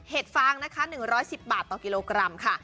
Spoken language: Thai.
เห็ดฟางนะคะหนึ่งร้อยสิบบาทต่อกิโลกรัมค่ะ